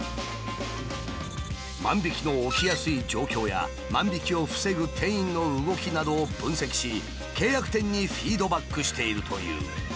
万引きの起きやすい状況や万引きを防ぐ店員の動きなどを分析し契約店にフィードバックしているという。